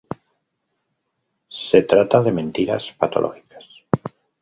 Se trata de mentiras patológicas.